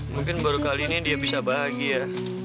mungkin baru kali ini dia bisa bahagia